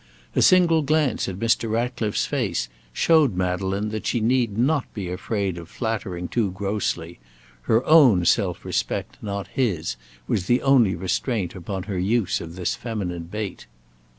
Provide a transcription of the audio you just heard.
A single glance at Mr. Ratcliffe's face showed Madeleine that she need not be afraid of flattering too grossly; her own self respect, not his, was the only restraint upon her use of this feminine bait.